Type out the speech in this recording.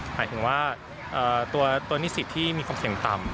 หมายถึงว่าตัวนิสิตที่มีความเสี่ยงต่ำ